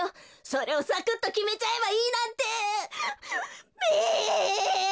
それをサクッときめちゃえばいいなんてべ！